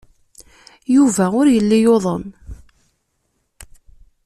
Yuba ur yelli yuḍen.